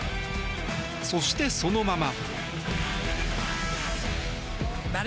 そして、そのまま。